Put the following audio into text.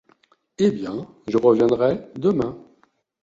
Eh bien, je reviendrai demain.